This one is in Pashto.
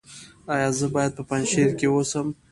ایا زه باید په پنجشیر کې اوسم؟